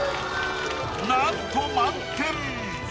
なんと満点！